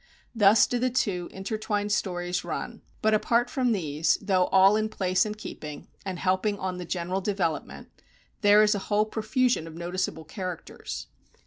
Thus do the two intertwined stories run; but apart from these, though all in place and keeping, and helping on the general development, there is a whole profusion of noticeable characters.